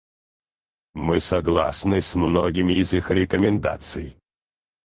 Мы согласны с многими из их рекомендаций.